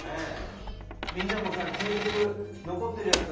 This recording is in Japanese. みんなもさ給食残ってるやつは